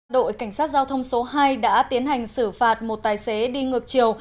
đội cảnh sát giao thông số hai đã tiến hành xử phạt một tài xế đi ngược chiều